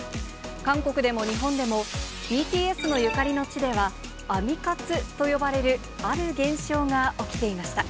韓国でも日本でも、ＢＴＳのゆかりの地では、アミ活と呼ばれるある現象が起きていました。